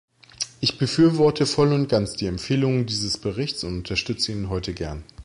Ich befürworte voll und ganz die Empfehlungen dieses Berichts und unterstütze ihn heute gern.